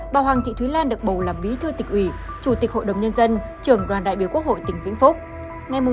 bà hoàng thị thúy lan được bầu làm bí thư tỉnh ủy chủ tịch hội đồng nhân dân trưởng đoàn đại biểu quốc hội tỉnh vĩnh phúc